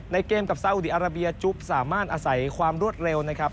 เกมกับซาอุดีอาราเบียจุ๊บสามารถอาศัยความรวดเร็วนะครับ